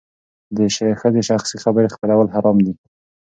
د ښځې شخصي خبرې خپرول حرام دي.